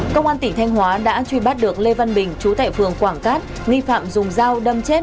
công an tỉnh thanh hóa đã truy bắt được lê văn bình chú tại phường quảng cát nghi phạm dùng dao đâm chết